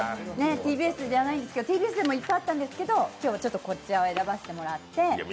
ＴＢＳじゃないんですけど、ＴＢＳでもいっぱいあったんですけど、今日はこちらを選ばせてもらって。